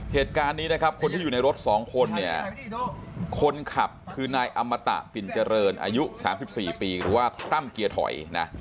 เหตุการณ์นี้นะครับคนที่อยู่ในรถ๒คนเนี่ยคนขับคือนายอมตะปิ่นเจริญอายุ๓๔ปีหรือว่าตั้มเกียร์ถอยนะ